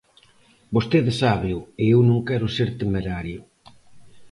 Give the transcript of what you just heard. Vostede sábeo, e eu non quero ser temerario.